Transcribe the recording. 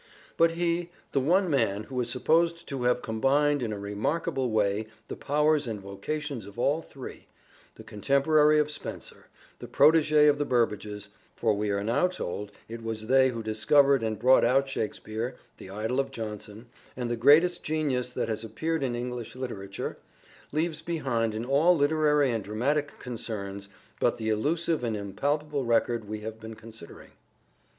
But he, the one man who is supposed to have combined in a remarkable way the powers and vocations of all three ; the contemporary of Spenser : the prot£g6 of the Burbages — for we are now told it was they who discovered and brought out Shakspere — the idol of Jonson, and the greatest genius that has appeared in English literature, leaves behind in all literary and dramatic concerns but the elusive and impalpable record we have been considering.